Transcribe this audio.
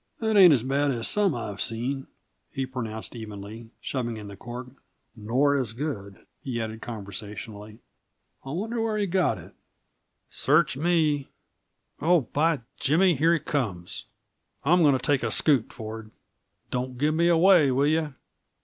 "That isn't as bad as some I've seen," he pronounced evenly, shoving in the cork. "Nor as good," he added conservatively. "I wonder where he got it." "Search me oh, by jiminy, here he comes! I'm going to take a scoot, Ford. Don't give me away, will you?